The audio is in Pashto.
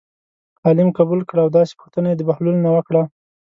عالم قبول کړه او داسې پوښتنه یې د بهلول نه وکړه.